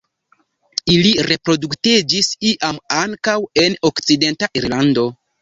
Ili reproduktiĝis iam ankaŭ en okcidenta Irlando.